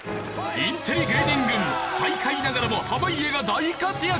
インテリ芸人軍最下位ながらも濱家が大活躍！